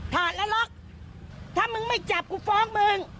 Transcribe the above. ถอดแล้วล็อกถ้ามึงไม่จับกูฟ้องมึง